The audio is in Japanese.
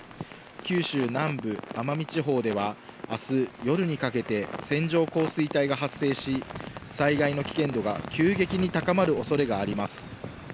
九州南部、奄美地方では、あす夜にかけて、線状降水帯が発生し、災害の危険度が急激に高まるおそれがあります。